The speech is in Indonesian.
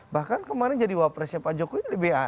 bahkan kemarin jadi wapresnya pak jokowi oleh ba